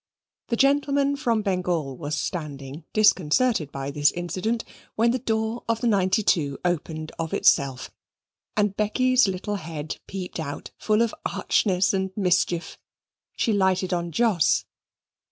The gentleman from Bengal was standing, disconcerted by this incident, when the door of the 92 opened of itself and Becky's little head peeped out full of archness and mischief. She lighted on Jos.